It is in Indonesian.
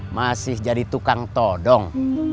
masih jadi tukang to dong